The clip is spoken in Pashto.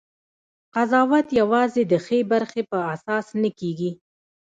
قضاوت یوازې د ښې برخې په اساس نه کېږي.